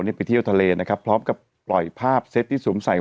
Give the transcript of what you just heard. นี่ไปเที่ยวทะเลนะครับพร้อมกับปล่อยภาพเซตที่สวมใส่